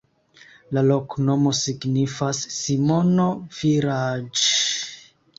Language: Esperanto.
La loknomo signifas: Simono-vilaĝ'.